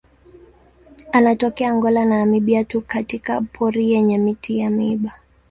Anatokea Angola na Namibia tu katika pori yenye miti ya miiba.